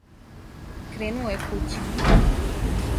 Кренуо је кући.